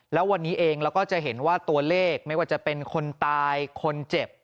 แล้ววันนี้เองเราก็จะเห็นว่าตัวเลขไม่ว่าจะเป็นคนตายคนเจ็บ